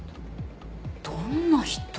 どんな人。